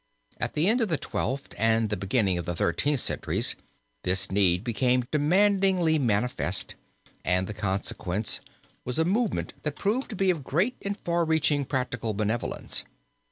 At the end of the Twelfth and the beginning of the Thirteenth centuries this need became demandingly manifest, and the consequence was a movement that proved to be of great and far reaching practical benevolence.